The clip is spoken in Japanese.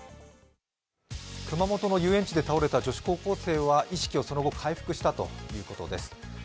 熊本の遊園地で倒れた女子高校生は意識をその後、回復したということです。